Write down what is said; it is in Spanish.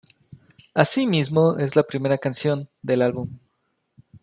Así mismo, es la primera canción del álbum.